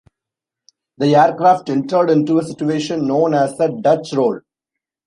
The aircraft entered into a situation known as a Dutch Roll.